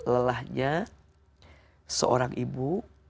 lelahnya seorang ibu